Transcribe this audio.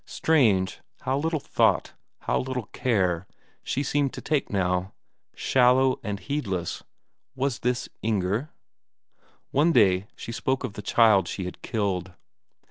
Strange, how little thought, how little care, she seemed to take now; shallow and heedless was this Inger? One day she spoke of the child she had killed.